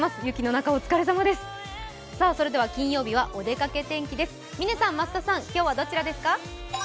それでは金曜日はお出かけ天気です。